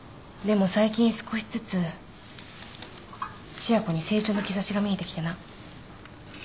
でも最近少しずつ千夜子に成長の兆しが見えてきてな。